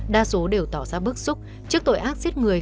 đa số đều tỏ ra bức xúc trước tội ác giết người